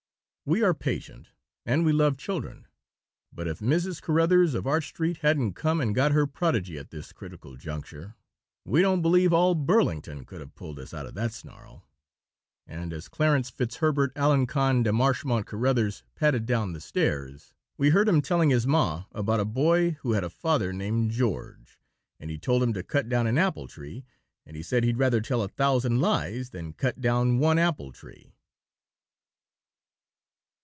We are patient, and we love children, but if Mrs. Caruthers, of Arch Street, hadn't come and got her prodigy at this critical juncture, we don't believe all Burlington could have pulled us out of that snarl. And as Clarence Fitzherbert Alencon de Marchemont Caruthers patted down the stairs, we heard him telling his ma about a boy who had a father named George, and he told him to cut down an apple tree, and he said he'd rather tell a thousand lies than cut down one apple tree.